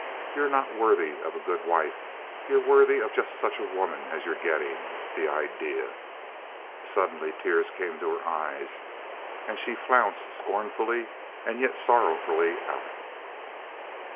You're not worthy of a good wife. You're worthy of just such a woman as you're getting. The idea!" Suddenly tears came to her eyes, and she flounced scornfully and yet sorrowfully out.